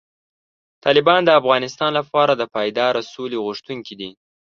طالبان د افغانستان لپاره د پایداره سولې غوښتونکي دي.